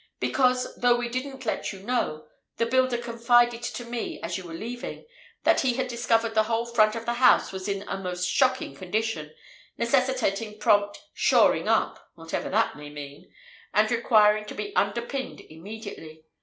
Because, though we didn't let you know, the builder confided to me, as you were leaving, that he had discovered the whole front of the house was in a most shocking condition, necessitating prompt 'shoring up' (whatever that may mean), and requiring to be underpinned immediately.